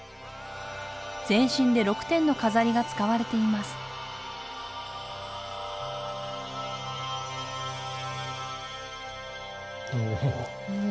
全身で６点の飾りが使われていますおお。